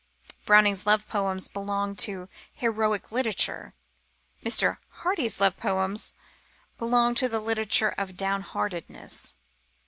Browning's love poems belong to heroic literature. Mr. Hardy's love poems belong to the literature of downheartedness.